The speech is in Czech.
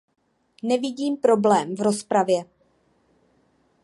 Nevidím problém v rozpravě.